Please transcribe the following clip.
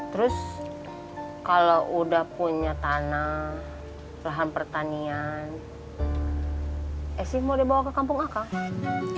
terus kalau udah punya tanah lahan pertanian eh sih mau dibawa ke kampung akang